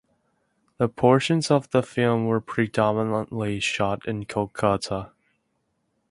The portions of the film were predominantly shot in Kolkata.